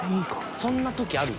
そんな時あるよ。